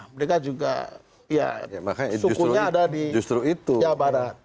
mereka juga ya sukunya ada di jawa barat